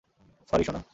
Sorry, সোনা।